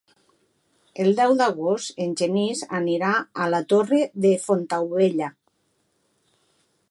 El deu d'agost en Genís anirà a la Torre de Fontaubella.